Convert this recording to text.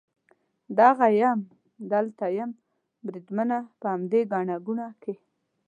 دغه یم، دلته یم بریدمنه، په همدې ګڼه ګوڼه کې.